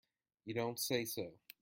You don't say so!